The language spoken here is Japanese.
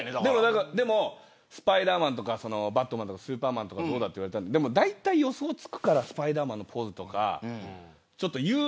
スパイダーマンとかバットマンとかスーパーマンとかどうだと言われたけどだいたい予想つくからスパイダーマンのポーズとかは。